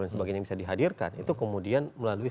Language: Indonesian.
siapa yang membeli